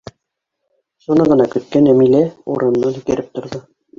Шуны ғына көткән Әмилә урынынан һикереп торҙо: